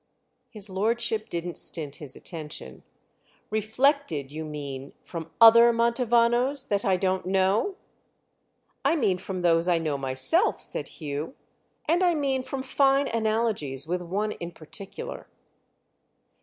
His lordship didn't stint his attention. "Reflected, you mean, from other Mantovanos—that I don't know?" "I mean from those I know myself," said Hugh; "and I mean from fine analogies with one in particular."